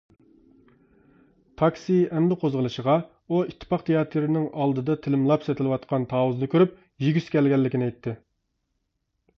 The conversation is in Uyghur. تاكسى ئەمدى قوزغىلىشىغا، ئۇ ئىتتىپاق تىياتىرىنىڭ ئالدىدا تىلىملاپ سېتىلىۋاتقان تاۋۇزنى كۆرۈپ يېگۈسى كەلگەنلىكىنى ئېيتتى.